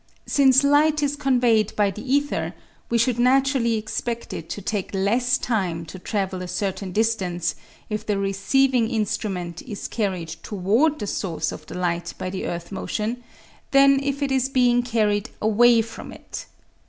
Since light is conveyed by the ether we should naturally expect it to take less time to travel a certain distance if the receiving instrument is carried toward the source of the light by the earth motion than if it is being carried away from it.